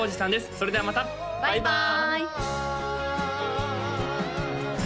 それではまたバイバーイ！